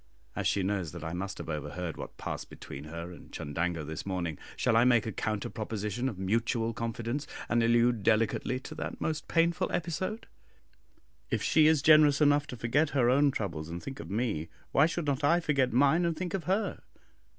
As she knows that I must have overheard what passed between her and Chundango this morning, shall I make a counter proposition of mutual confidence, and allude delicately to that most painful episode! If she is generous enough to forget her own troubles and think of me, why should not I forget mine and think of her?